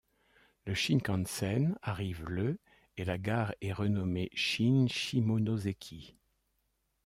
Le Shinkansen arrive le et la gare est renommée Shin-Shimonoseki.